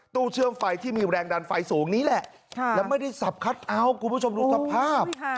เชื่อมไฟที่มีแรงดันไฟสูงนี้แหละแล้วไม่ได้สับคัทเอาท์คุณผู้ชมดูสภาพ